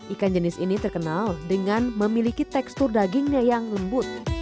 ikan jenis ini terkenal dengan memiliki tekstur dagingnya yang lembut